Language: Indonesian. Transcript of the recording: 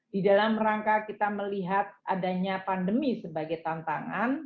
di dalam rangka kita melihat adanya pandemi sebagai tantangan